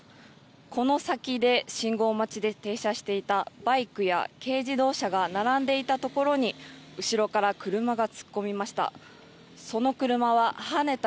この先で信号待ちで停車していたバイクや軽自動車が並んでいたところに後ろから車が突っ込みました。